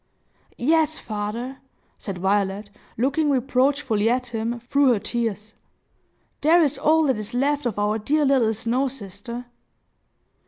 "Yes, father," said Violet looking reproachfully at him, through her tears, "there is all that is left of our dear little snow sister!"